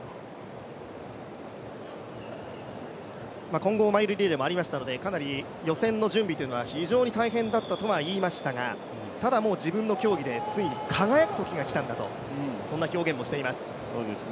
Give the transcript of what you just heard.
混合マイルリレーもありましたので、予選の準備は非常に大変だったとは言いましたが、ただ、自分の競技でついに輝く日が来たんだとそんな表現もしています。